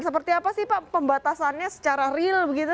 seperti apa sih pak pembatasannya secara real begitu